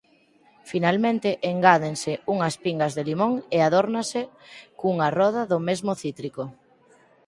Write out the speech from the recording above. Finalmente engádense unhas pingas de limón e adórnase cunha roda do mesmo cítrico.